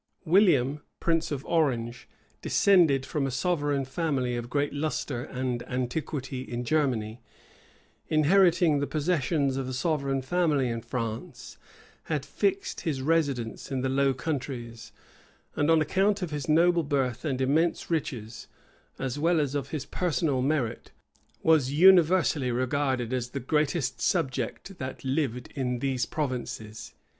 William, prince of Orange, descended from a sovereign family of great lustre and antiquity in Germany, inheriting the possessions of a sovereign family in France, had fixed his residence in the Low Countries; and on account of his noble birth and immense riches, as well as of his personal merit, was universally regarded as the greatest subject that lived in those provinces.